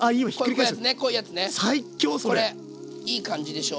いい感じでしょ？